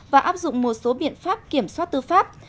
và áp dụng một số biện pháp kiểm soát tư pháp